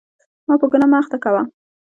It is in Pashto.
ما په ګناه مه اخته کوه.